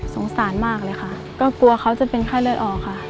สงสารมากเลยค่ะก็กลัวเขาจะเป็นไข้เลือดออกค่ะ